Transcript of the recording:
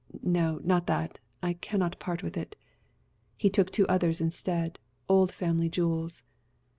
"No, not that; I cannot part with it." He took two others instead old family jewels.